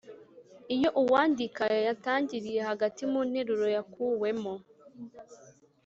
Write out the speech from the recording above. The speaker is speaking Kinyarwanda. iyo uwandika yayatangiriye hagati mu nteruro yakuwemo.